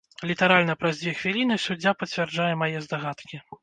Літаральна праз дзве хвіліны суддзя пацвярджае мае здагадкі.